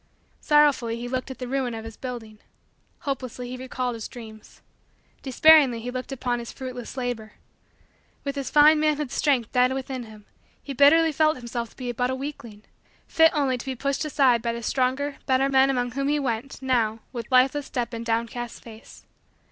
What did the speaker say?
Sorrowfully he looked at the ruin of his building. Hopelessly he recalled his dreams. Despairingly he looked upon his fruitless labor. With his fine manhood's strength dead within him, he bitterly felt himself to be but a weakling; fit only to be pushed aside by the stronger, better, men among whom he went, now, with lifeless step and downcast face.